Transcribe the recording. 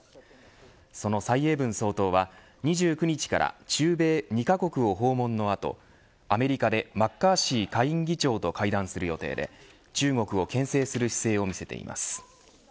その蔡英文総統は２９日から中米２カ国を訪問の後アメリカでマッカーシー下院議長と会談する予定で中国をけん制する姿勢を見せています。